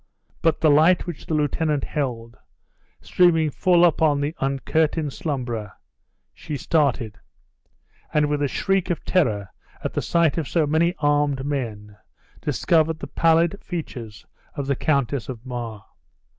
But the light which the lieutenant held, streaming full upon the uncurtained slumberer, she started, and, with a shriek of terror at the sight of so many armed men, discovered the pallid features of the Countess of Mar.